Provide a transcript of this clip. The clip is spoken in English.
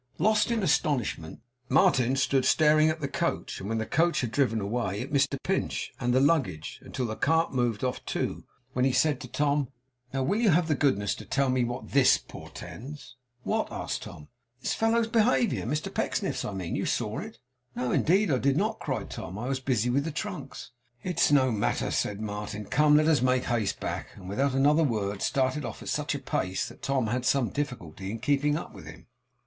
Lost in astonishment, Martin stood staring at the coach, and when the coach had driven away, at Mr Pinch, and the luggage, until the cart moved off too; when he said to Tom: 'Now will you have the goodness to tell me what THIS portends?' 'What?' asked Tom. 'This fellow's behaviour. Mr Pecksniff's, I mean. You saw it?' 'No. Indeed I did not,' cried Tom. 'I was busy with the trunks.' 'It is no matter,' said Martin. 'Come! Let us make haste back!' And without another word started off at such a pace, that Tom had some difficulty in keeping up with him.